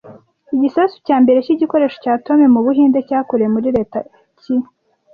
Igisasu cya mbere cy’igikoresho cya atome mu Buhinde cyakorewe muri leta ki